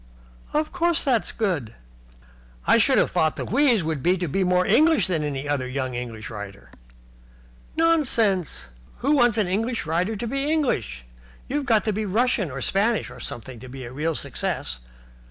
"Of course it's good." "I should have thought the wheeze would be to be more English than any other young English writer." "Nonsense! Who wants an English writer to be English? You've got to be Russian or Spanish or something to be a real success.